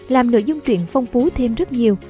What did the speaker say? làm nội dung truyện phong phú thêm rất nhiều